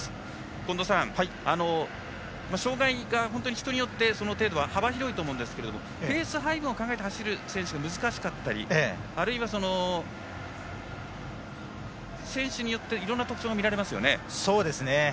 近藤さん、障がいが人によって、その程度は幅広いと思いますがペース配分を考えるのが難しかったりあるいは選手によっていろんな特徴が見られますよね。